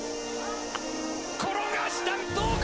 転がしたどうか！？